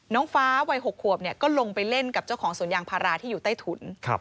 น้องฟ้าวัย๖ขวบก็ลงไปเล่นกับเจ้าของสวนยางพาราที่อยู่ใต้ถุน